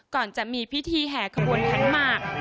ก่อนจะมีพิธีแห่ขบวนขันหมาก